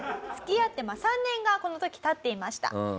付き合って３年がこの時経っていました。